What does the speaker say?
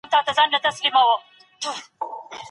معلومات د ټولنې د وضعيت او پرمختګ لپاره مهم دي.